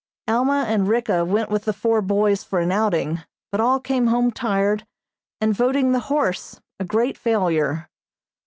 Alma and Ricka went with the four boys for an outing, but all came home tired and voting the horse a great failure.